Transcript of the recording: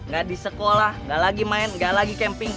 gak di sekolah gak lagi main gak lagi camping